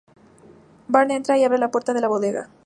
Bart entra y abre la puerta de la bodega.